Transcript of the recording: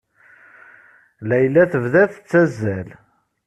Layla tebda tettazzal.